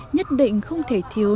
nhất định không thể thiếu